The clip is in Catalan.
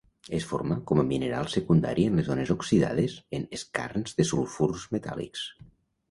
Es forma com a mineral secundari en les zones oxidades en skarns de sulfurs metàl·lics.